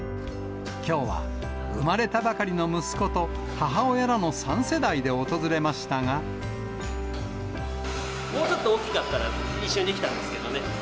きょうは生まれたばかりの息子と、もうちょっと大きかったら、一緒にできたんですけどね。